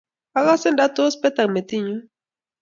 Akase ndatos petak metinnyu.